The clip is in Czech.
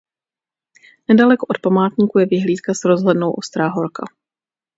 Nedaleko od památníku je vyhlídka s rozhlednou Ostrá horka.